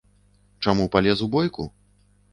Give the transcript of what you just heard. Чаму палез у бойку?